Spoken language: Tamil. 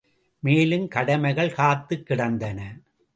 மேலும் கடமைகள் காத்துக் கிடந்தன.